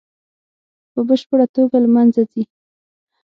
په بشپړه توګه له منځه ځي.